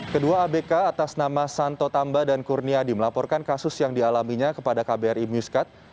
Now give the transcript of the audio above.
kedua abk atas nama santo tamba dan kurniadi melaporkan kasus yang dialaminya kepada kbri muskat